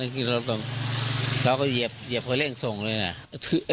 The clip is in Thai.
คือมึงจำกูอย่างงี้นะเขาก็เหยียบเหยียบเขาเร่งส่งเลยน่ะ